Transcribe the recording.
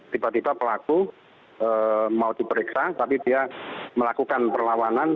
tiba tiba pelaku mau diperiksa tapi dia melakukan perlawanan